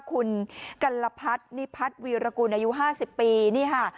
คุณกัลพัฒนิพัฒน์วีรกุลอายุ๕๐ปีนี่ค่ะ